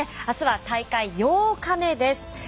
あすは大会８日目です。